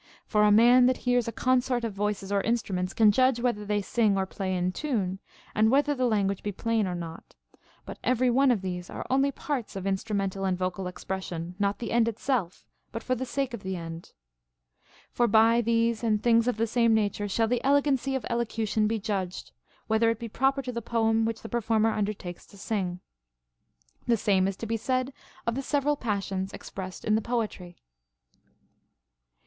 For a man that hears a consort of voices or instruments can judge whether they sing or phiy in tune, and whether the language be plain or not. But every one of these are only parts of instrumental and vocal expression ; not the end itself, but for the sake of the end. For by these and things of the same nature shall the elegancy of elocution be judged^ whether it be proper to the poem which the performer un dertakes to sing. The same is to be said of the several passions expressed in the poetry.